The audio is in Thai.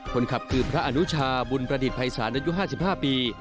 คนขับคือพระอนุชาบุญประดิษฐภัยศาลอายุ๕๕ปี